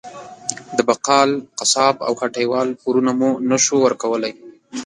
د بقال، قصاب او هټۍ وال پورونه مو نه شو ورکولی.